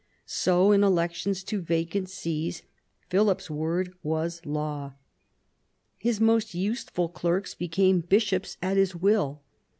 So in elections to vacant sees Philip's word was law. His most useful clerks became bishops at his will.